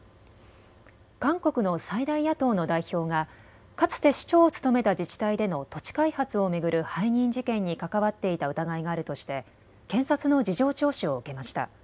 韓国の最大野党の代表がかつて市長を務めた自治体での土地開発を巡る背任事件に関わっていた疑いがあるとして検察の事情聴取を受けました。